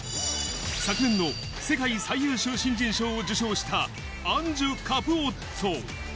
昨年の世界最優秀新人賞を受賞した、アンジュ・カプオッツォ。